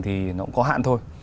thì nó cũng có hạn thôi